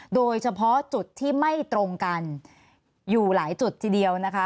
โดยเฉพาะจุดที่ไม่ตรงกันอยู่หลายจุดทีเดียวนะคะ